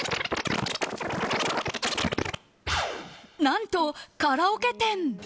何とカラオケ店。